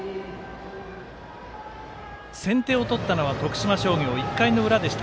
先手を取ったのは徳島商業１回の裏でした。